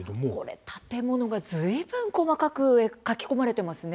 建物が、ずいぶん細かく描き込まれています。